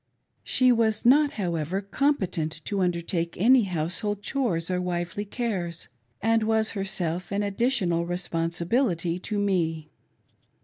She was not, however, competent to undertake any household duties or wifely cares, and was herself an additional responsibility to me.